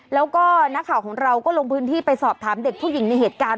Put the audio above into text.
แล้วก็นักข่าวของเราก็ลงพื้นที่ไปสอบถามเด็กผู้หญิงในเหตุการณ์